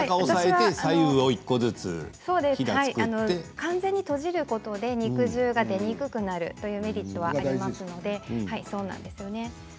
完全に閉じることで肉汁が出にくくなるというメリットはありますのではいそうなんですよね。